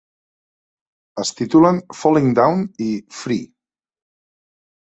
Es titulen "Falling Down" i "Free".